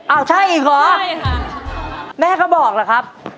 อ้าวใช่อีกหรอแม่ก็บอกล่ะครับ